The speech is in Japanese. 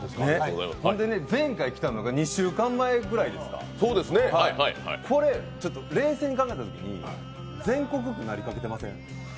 前回来たのが２週間前くらいですかこれ、冷静に考えたときに、全国区になりかけてません？